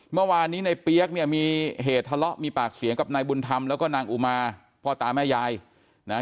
เมื่อวานนี้ในเปี๊ยกเนี่ยมีเหตุทะเลาะมีปากเสียงกับนายบุญธรรมแล้วก็นางอุมาพ่อตาแม่ยายนะฮะ